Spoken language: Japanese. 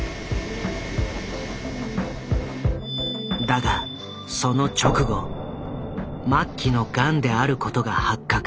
だがその直後末期のガンであることが発覚。